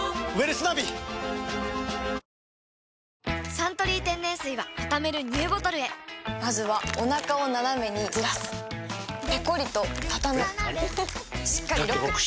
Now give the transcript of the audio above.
「サントリー天然水」はたためるＮＥＷボトルへまずはおなかをナナメにずらすペコリ！とたたむしっかりロック！